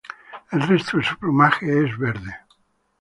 El resto de su plumaje es verde.